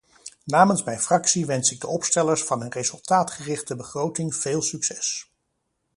Namens mijn fractie wens ik de opstellers van een resultaatgerichte begroting veel succes.